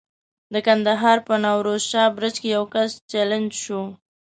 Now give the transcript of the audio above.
د کندهار په نوروز شاه برج کې یو کس چلنج شو.